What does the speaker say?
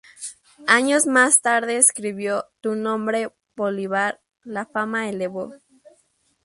Años más tarde escribió "Tu nombre, Bolívar, la fama elevó".